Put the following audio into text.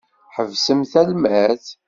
Ḥebsemt almad!